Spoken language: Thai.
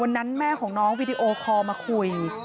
แม่ของน้องวีดีโอคอลมาคุย